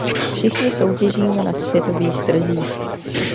Všichni soutěžíme na světových trzích.